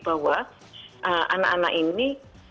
bahwa anak anak ini